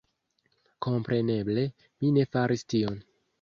Kompreneble, mi ne faris tion